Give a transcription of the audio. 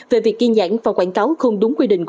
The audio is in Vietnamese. về việc ghi nhãn và quảng cáo không đúng quy định